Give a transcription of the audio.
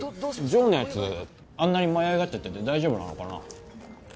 城のやつあんなに舞い上がっちゃってて大丈夫なのかな？